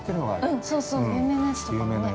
◆うん、そうそう有名なやつとかもね。